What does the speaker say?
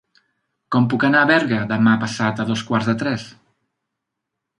Com puc anar a Berga demà passat a dos quarts de tres?